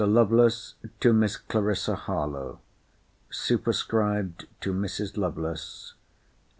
LOVELACE, TO MISS CLARISSA HARLOWE [SUPERSCRIBED TO MRS. LOVELACE.